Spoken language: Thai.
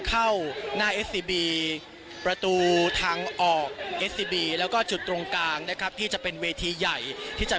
มาแล้วตอนนี้สิ่งที่เราเพิ่มหลอกซึ่งจะยังมีคนที่เพิ่มหลอกนะครับ